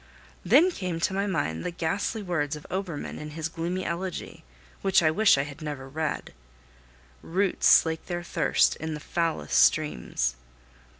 Then came to my mind the ghastly words of Obermann in his gloomy elegy, which I wish I had never read, "Roots slake their thirst in foulest streams."